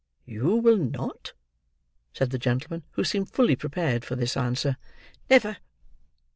"You will not?" said the gentleman, who seemed fully prepared for this answer. "Never!"